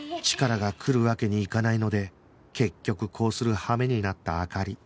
チカラが来るわけにいかないので結局こうする羽目になった灯